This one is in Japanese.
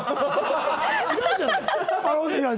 違うじゃない。